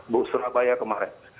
bu surabaya kemarin